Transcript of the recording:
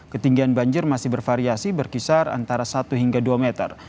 ketinggian banjir masih bervariasi berkisar antara satu hingga dua meter